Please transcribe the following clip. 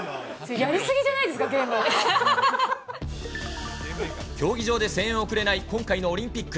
やり過ぎじゃないですか、競技場で声援を送れない今回のオリンピック。